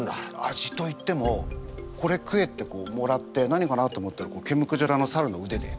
味といっても「これ食え」ってもらって「何かな？」と思ったら毛むくじゃらのサルのうでで。